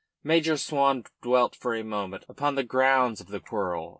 Major Swan dwelt for a moment upon the grounds of the quarrel.